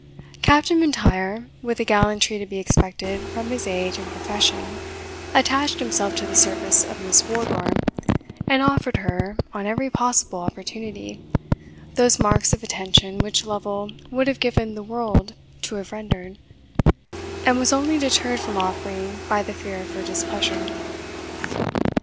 Captain M'Intyre, with the gallantry to be expected from his age and profession, attached himself to the service of Miss Wardour, and offered her, on every possible opportunity, those marks of attention which Lovel would have given the world to have rendered, and was only deterred from offering by the fear of her displeasure.